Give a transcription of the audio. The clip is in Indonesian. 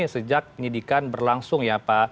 sejak penyidikan berlangsung